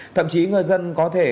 thậm chí người dân có thể